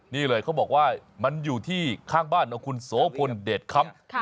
นี่เลยเขาบอกว่ามันอยู่ที่ข้างบ้านของคุณโสพลเดชค้ำ